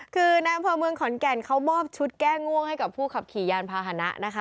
คือน้ำพระเมืองขอนแก่นเค้ามอบชุดแก้ง่วงให้กับผู้ขับขี่ยานภาหณะ